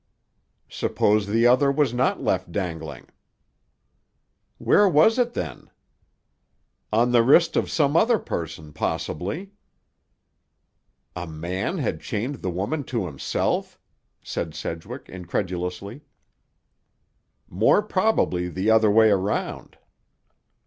"Suppose the other was not left dangling?" "Where was it, then?" "On the wrist of some other person, possibly." "A man had chained the woman to himself?" said Sedgwick incredulously. "More probably the other way round."